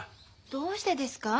どうしてですか？